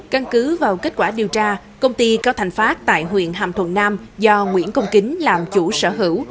căn cứ vào kết quả điều tra công ty cao thành phát tại huyện hàm thuận nam do nguyễn công kính làm chủ sở hữu